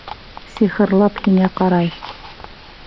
Сихырлап һиңә ҡарай.